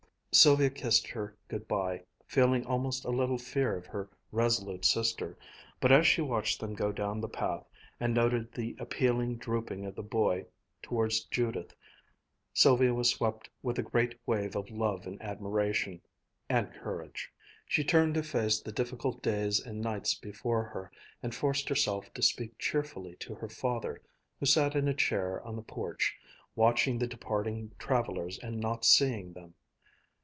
Sylvia kissed her good bye, feeling almost a little fear of her resolute sister; but as she watched them go down the path, and noted the appealing drooping of the boy towards Judith, Sylvia was swept with a great wave of love and admiration and courage. She turned to face the difficult days and nights before her and forced herself to speak cheerfully to her father, who sat in a chair on the porch, watching the departing travelers and not seeing them.